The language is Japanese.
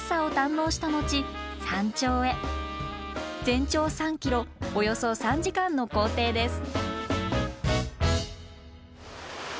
全長３ｋｍおよそ３時間の行程です。